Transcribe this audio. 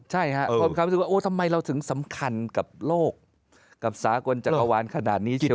ใช่ครับความรู้สึกว่าโอ้โหทำไมเราถึงสำคัญกับโลกกับสาควรจักรวรรณ์ขนาดนี้เฉินเลย